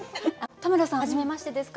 田村さんは「はじめまして」ですか？